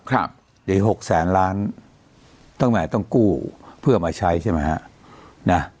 ครับเดี๋ยวอีกหกแสนล้านต้องไหมต้องกู้เพื่อมาใช้ใช่ไหมฮะน่ะ